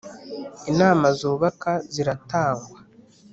inama zubaka ziratangwa,